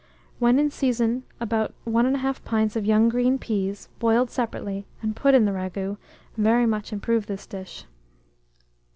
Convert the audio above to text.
When in season, about, 1 1/2 pint of young green peas, boiled separately, and put in the ragoût, very much improve this dish.